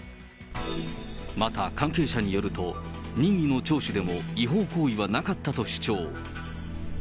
また、関係者によると、任意の聴取でも、違法行為はなかったと主張。